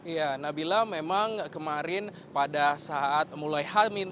ya nabila memang kemarin pada saat mulai hal hal yang terjadi di sana